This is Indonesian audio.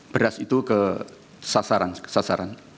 beras itu ke sasaran sasaran